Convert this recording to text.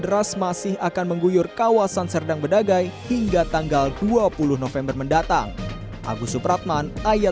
deras masih akan mengguyur kawasan serdang bedagai hingga tanggal dua puluh november mendatang agus supratman ayah